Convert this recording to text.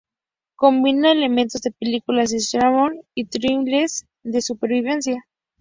Combina elementos de películas de "slasher" y thrillers de supervivencia.